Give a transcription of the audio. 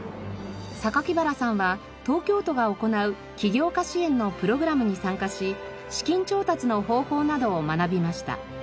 原さんは東京都が行う起業家支援のプログラムに参加し資金調達の方法などを学びました。